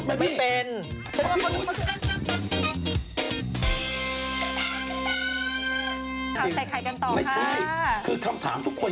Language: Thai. ได้ออกมาให้สัมภาษณ์เลยกัน